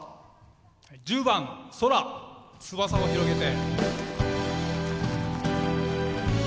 １０番「空‐翼を広げて」。